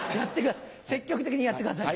積極的にやってください。